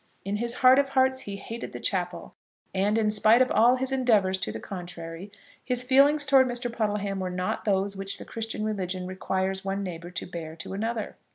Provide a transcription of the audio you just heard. In his heart of hearts he hated the chapel, and, in spite of all his endeavours to the contrary, his feelings towards Mr. Puddleham were not those which the Christian religion requires one neighbour to bear to another.